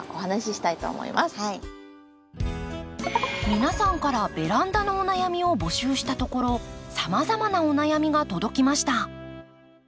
皆さんからベランダのお悩みを募集したところさまざまなお悩みが届きました。